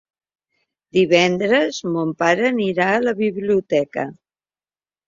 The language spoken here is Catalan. Divendres mon pare anirà a la biblioteca.